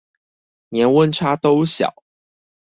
年溫差都小